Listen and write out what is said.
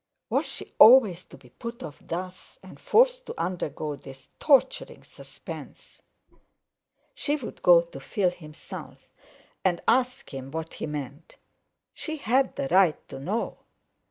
Was she always to be put off thus, and forced to undergo this torturing suspense? She would go to Phil himself, and ask him what he meant. She had the right to know.